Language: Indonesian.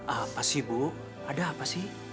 apa sih bu ada apa sih